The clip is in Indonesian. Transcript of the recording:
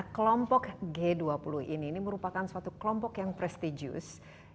kelompok g dua puluh ini merupakan suatu kelompok yang prestitusi